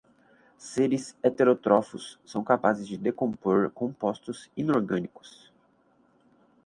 Seres heterótrofos são capazes de decompor compostos inorgânicos